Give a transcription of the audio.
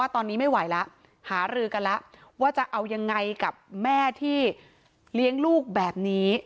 ตอนนี้ไม่ไหวแล้วหารือกันแล้วว่าจะเอายังไงกับแม่ที่เลี้ยงลูกแบบนี้